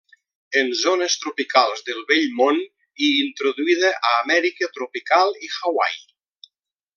En zones tropicals del vell Món i introduïda a Amèrica tropical i Hawaii.